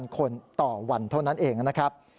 คนต่อวันเท่านั้นเองนะครับ